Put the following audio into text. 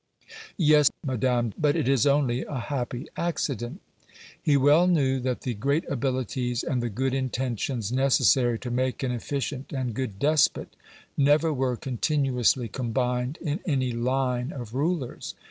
"Yes, Madame, but it is only a happy accident." He well knew that the great abilities and the good intentions necessary to make an efficient and good despot never were continuously combined in any line of rulers.